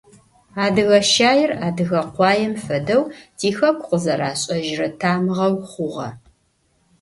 Адыгэ щаир адыгэ къуаем фэдэу тихэку къызэрашӏэжьрэ тамыгъэу хъугъэ.